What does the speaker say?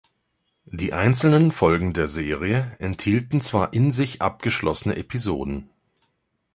Die einzelnen Folgen der Serie enthielten zwar in sich abgeschlossene Episoden.